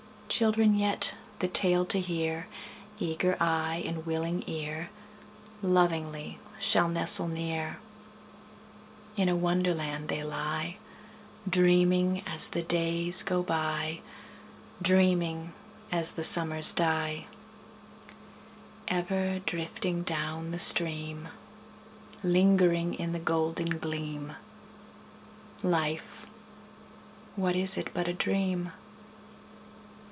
Children yet, the tale to hear, Eager eye and willing ear, Lovingly shall nestle near. In a Wonderland they lie, Dreaming as the days go by, Dreaming as the summers die: Ever drifting down the stream— Lingering in the golden gleam— Life, what is it but a dream?